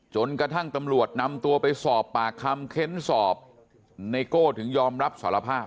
จนกระทั่งตำรวจนำตัวไปสอบปากคำเค้นสอบไนโก้ถึงยอมรับสารภาพ